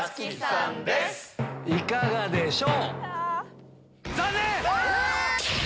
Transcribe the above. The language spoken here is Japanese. いかがでしょう？